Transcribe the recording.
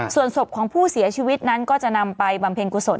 ส่วนศพของผู้เสียชีวิตนั้นก็จะนำไปบำเพ็ญกุศล